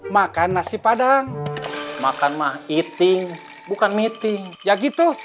makan nasi padang makan mah iting bukan meeting ya gitu